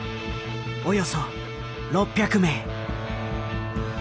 およそ６００名。